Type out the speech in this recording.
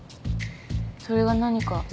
それが何か？